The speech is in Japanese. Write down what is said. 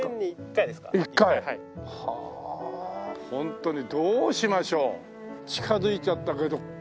ホントにどうしましょう近づいちゃったけど。